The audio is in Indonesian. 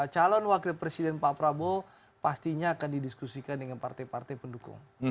calon wakil presiden pak prabowo pastinya akan didiskusikan dengan partai partai pendukung